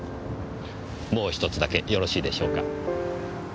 もう１つだけよろしいでしょうか？